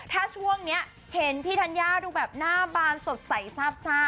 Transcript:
ถ้าช่วงนี้เห็นพี่ธัญญาดูแบบหน้าบานสดใสซาบ